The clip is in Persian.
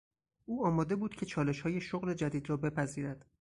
او آماده بود که چالشهای شغل جدید را بپذیرد.